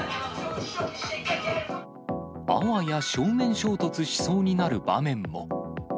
あわや正面衝突しそうになる場面も。